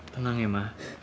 tenang ya ma